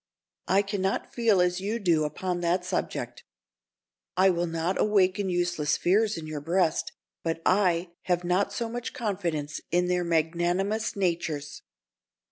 "I can not feel as you do upon that subject. I would not awaken useless fears in your breast, but I have not so much confidence in their magnanimous natures."